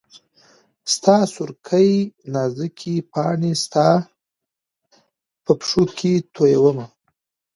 ستا سورکۍ نازکي پاڼي ستا په پښو کي تویومه